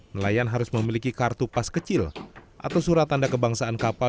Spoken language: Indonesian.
nelayan harus memiliki kartu pas kecil atau surat tanda kebangsaan kapal